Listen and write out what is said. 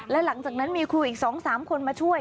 แล้วหลังจากนั้นมีครูอีกสองสามคนมาช่วย